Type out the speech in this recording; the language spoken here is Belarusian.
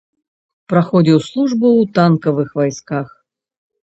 Праходзіў службу ў танкавых войсках.